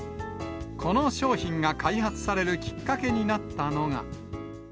この商品が開発されるきっかけになったのが。